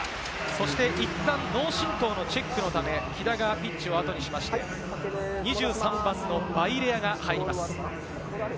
そして、いったん脳震とうのチェックのため、木田がピッチをあとにしまして、２３番のヴァイレアが入ります。